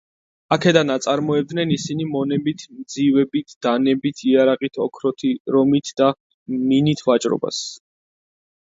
აქედან აწარმოებდნენ ისინი მონებით, მძივებით, დანებით, იარაღით, ოქროთი, რომით და მინით ვაჭრობას.